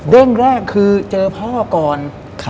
เรื่องแรกคือเจอพ่อก่อน